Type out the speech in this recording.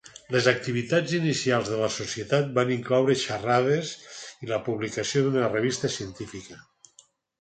Les activitats inicials de la Societat van incloure xerrades i la publicació d'una revista científica.